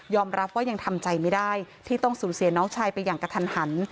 รับว่ายังทำใจไม่ได้ที่ต้องสูญเสียน้องชายไปอย่างกระทันหัน